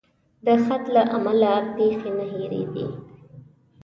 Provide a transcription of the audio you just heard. د خط له امله پیښې نه هېرېدې.